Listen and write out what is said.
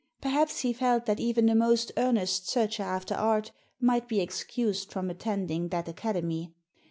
Perhaps he felt that even the most earnest searcher after art might be excused from attending that Academy.